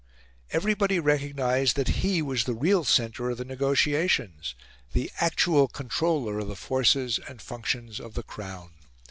Everybody recognised that he was the real centre of the negotiations the actual controller of the forces and the functions of the Crown.